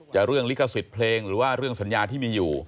เรื่องลิขสิทธิ์เพลงหรือว่าเรื่องสัญญาที่มีอยู่